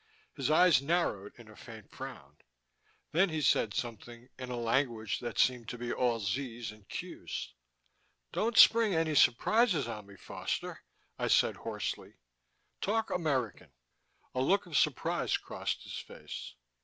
His eyes narrowed in a faint frown. Then he said something in a language that seemed to be all Z's and Q's. "Don't spring any surprises on me, Foster," I said hoarsely. "Talk American." A look of surprise crossed his face.